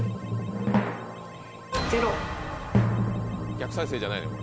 逆再生じゃないよね。